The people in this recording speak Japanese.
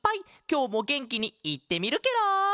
きょうもげんきにいってみるケロ！